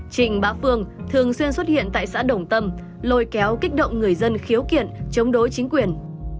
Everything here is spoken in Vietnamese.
trịnh bá phương thường xuyên xuất hiện tại xã đồng tâm lôi kéo kích động người dân khiếu kiện chống đối chính quyền